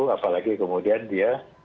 apalagi kemudian dia